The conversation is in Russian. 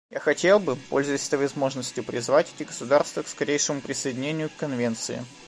Я хотел бы, пользуясь этой возможностью, призвать эти государства к скорейшему присоединению к Конвенции.